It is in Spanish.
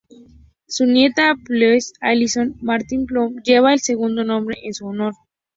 Su nieta Apple Blythe Alison Martin Paltrow lleva el segundo nombre en su honor.